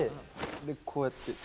でこうやって。